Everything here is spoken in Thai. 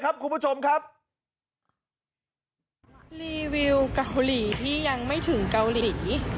รีวิวรีวิวเกาหลีที่ยังไม่ถึงเกาหลี